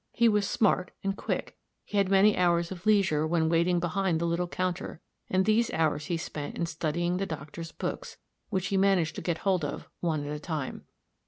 He was smart and quick; he had many hours of leisure when waiting behind the little counter, and these hours he spent in studying the doctor's books, which he managed to get hold of one at a time.